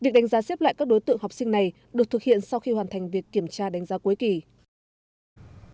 việc đánh giá xếp lại các đối tượng học sinh này được thực hiện sau khi hoàn thành việc kiểm tra đánh giá cuối kỳ khi học sinh hoàn thành việc kiểm tra đánh giá cuối kỳ